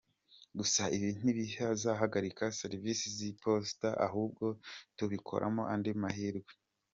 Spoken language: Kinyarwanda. Gusa ibi ntibizahagarika Serivisi z’Iposita ahubwo tubikuramo andi mahirwe.